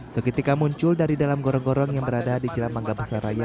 seketika muncul dari dalam gorong gorong yang berada di jalan mangga besar raya